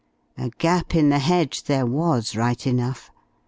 A gap in the hedge there was, right enough.